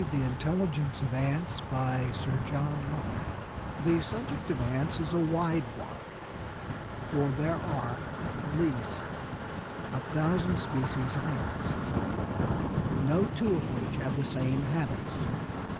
THE INTELLIGENCE OF ANTS By Sir John Lubbock The subject of ants is a wide one, for there are at least a thousand species of ants, no two of which have the same habits.